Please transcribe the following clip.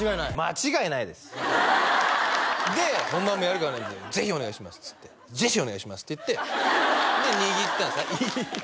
間違いないですで「本番もやるから」みたいな「ぜひお願いします」っつって「ジェシお願いします」って言ってで握ったんですねえっ？